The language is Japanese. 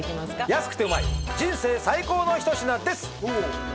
安くてうまい人生最高の一品です！